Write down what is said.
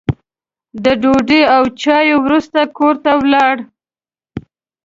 د ډوډۍ او چایو وروسته کور ته ولاړ.